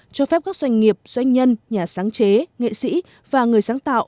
cho phép các doanh nghiệp doanh nhân nhà sáng chế nghệ sĩ và người sáng tạo